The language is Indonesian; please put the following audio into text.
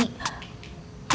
aku tuh udah sempurna sekali